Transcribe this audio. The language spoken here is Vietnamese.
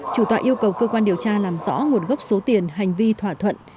chủ tọa yêu cầu cơ quan điều tra làm rõ nguồn gốc số tiền hành vi thỏa thuận